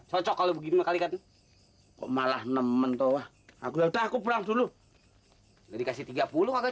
cocok kalau begini kali kan kok malah nemen tuh aku udah aku pulang dulu dikasih tiga puluh kakak